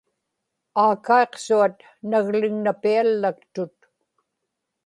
aakaiqsuat naglignapiallaktut